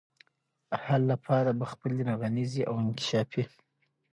حل لپاره به خپلي رغنيزي او انکشافي